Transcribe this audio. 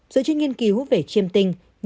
sự trích nghiên cứu hút về tình hình của anand